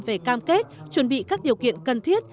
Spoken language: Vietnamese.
về cam kết chuẩn bị các điều kiện cần thiết